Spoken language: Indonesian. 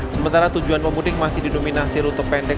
sementara tujuan pemudik masih didominasi rute pendek